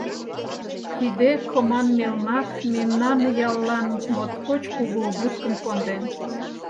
Тиде команмелнак мемнан яллан моткоч кугу убыткым конден.